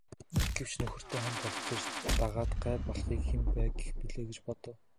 Гэвч нөхөртөө хань болох гэж дагаад гай болохыг хэн байг гэх билээ гэж бодов.